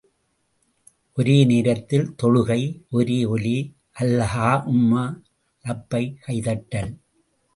ஒரே நேரத்தில் தொழுகை, ஒரே ஒலி, அல்லாஹும்ம லப்பைக் கை தட்டல்.